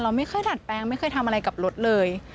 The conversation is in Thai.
ไม่เคยดัดแปลงไม่เคยทำอะไรกับรถเลย